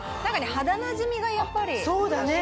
肌なじみがやっぱり。